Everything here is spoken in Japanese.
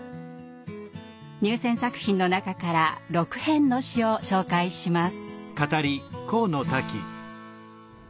入選作品の中から６編の詩を紹介します。